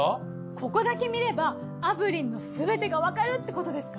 ここだけ見れば炙輪のすべてがわかるってことですか？